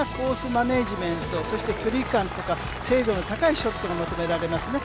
マネージメント、距離感とか精度の高いショットが求められますね。